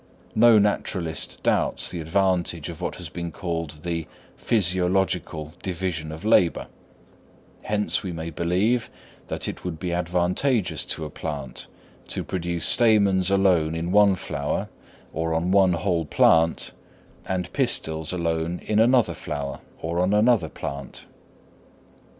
No naturalist doubts the advantage of what has been called the "physiological division of labour;" hence we may believe that it would be advantageous to a plant to produce stamens alone in one flower or on one whole plant, and pistils alone in another flower or on another plant.